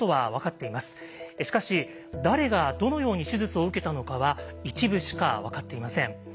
しかし誰がどのように手術を受けたのかは一部しか分かっていません。